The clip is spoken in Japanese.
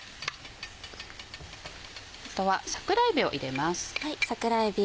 あとは桜えびを入れます。